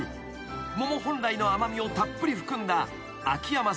［桃本来の甘味をたっぷり含んだ秋山さんの白鳳］